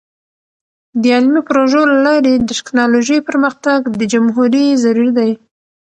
د علمي پروژو له لارې د ټیکنالوژۍ پرمختګ د جمهوری ضروری دی.